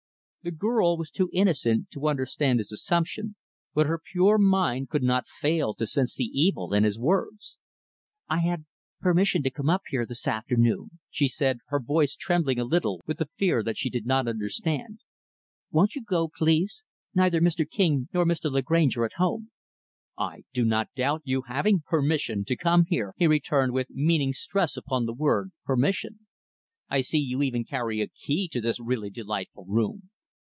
The girl was too innocent to understand his assumption but her pure mind could not fail to sense the evil in his words. "I had permission to come here this afternoon," she said her voice trembling a little with the fear that she did not understand. "Won't you go, please? Neither Mr. King nor Mr. Lagrange are at home." "I do not doubt your having permission to come here," he returned, with meaning stress upon the word, "permission". "I see you even carry a key to this really delightful room."